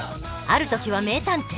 ある時は名探偵。